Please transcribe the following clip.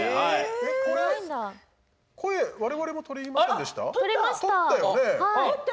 声、我々もとりませんでした？